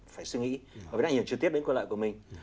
phải suy nghĩ với ảnh hưởng trực tiếp đến quyền lợi của mình